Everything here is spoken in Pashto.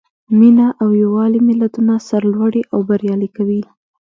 مینه او یووالی ملتونه سرلوړي او بریالي کوي.